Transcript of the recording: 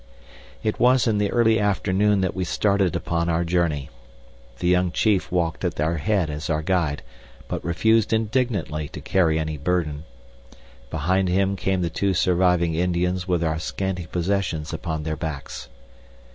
It was in the early afternoon that we started upon our journey. The young chief walked at our head as our guide, but refused indignantly to carry any burden. Behind him came the two surviving Indians with our scanty possessions upon their backs.